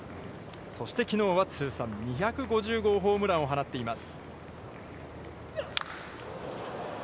そしてきのうは通算２５０号ホームランを放っています。